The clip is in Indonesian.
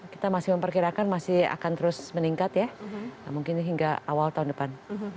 kita masih memperkirakan masih akan terus meningkat ya mungkin hingga awal tahun depan